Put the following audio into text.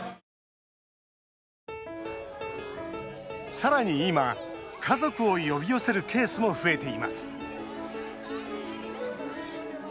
さらに今、家族を呼び寄せるケースも増えています。